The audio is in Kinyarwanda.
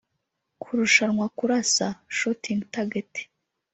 kurushanwa kurasa (shooting target)